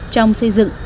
trong xây dựng